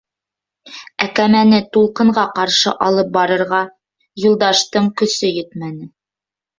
Ә кәмәне тулҡынға ҡаршы алып барырға Юлдаштың көсө етмәне.